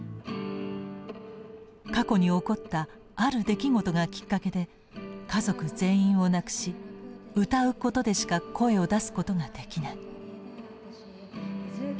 過去に起こったある出来事がきっかけで家族全員を亡くし歌うことでしか声を出すことができない。